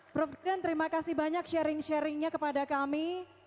prof deden terima kasih banyak sharing sharingnya kepada kami